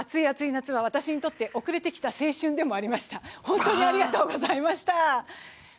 熱い熱い夏は私にとって、遅れてきた青春でもありました。